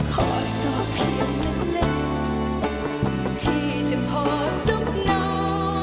ขอสอบเพียงนึกเล่นที่จะพอซุบนอน